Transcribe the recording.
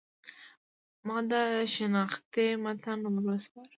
ما د شنختې متن ور وسپاره.